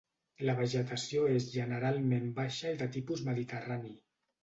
La vegetació és generalment baixa i de tipus mediterrani.